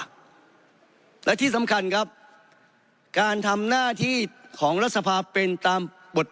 และที่สำคัญครับการทำหน้าที่ของรัฐสภาเป็นตามบท